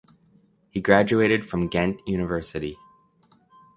He graduated from Ghent University.